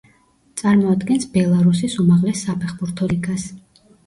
წარმოადგენს ბელარუსის უმაღლეს საფეხბურთო ლიგას.